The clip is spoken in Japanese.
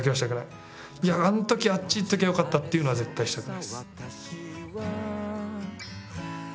いやあん時あっち行っときゃよかったっていうのは絶対したくないです。